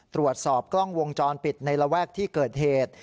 ตรวจสอบกล้องวงจรปิดในระแวกที่เกิดเหตุ